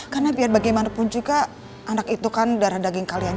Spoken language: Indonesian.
karena biar bagaimanapun juga anak itu kan darah daging kalian